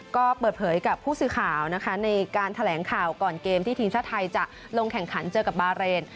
ก็เปิดเผยกับผู้สื่อข่าวนะคะในการแถลงข่าวก่อนเกมที่ทีมชาติไทยจะลงแข่งขันเจอกับบาเรน